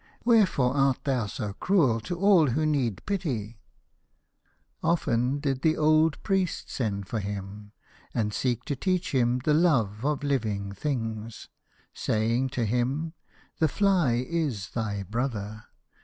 Wherefore art thou so cruel to all who need pity ?" Often did the old priest send for him, and seek to teach him the love of living things, saying to him :" The fly is thy brother.